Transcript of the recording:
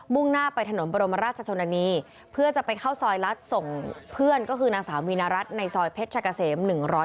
่งหน้าไปถนนบรมราชชนนานีเพื่อจะไปเข้าซอยรัฐส่งเพื่อนก็คือนางสาววีนรัฐในซอยเพชรชะกะเสม๑๐